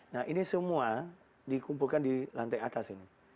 nah ini semua dikumpulkan di lantai atas ini